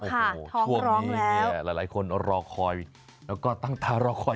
ค่ะท้องร้องแล้วหลายคนก็รอคอยแล้วก็ตั้งตารอคอย